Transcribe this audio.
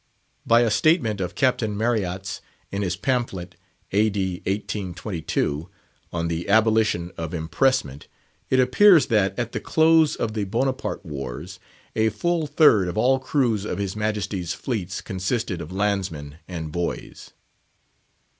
By a statement of Captain Marryat's, in his pamphlet (A. D. 1822) "On the Abolition of Impressment," it appears that, at the close of the Bonaparte wars, a full third of all the crews of his Majesty's fleets consisted of landsmen and boys.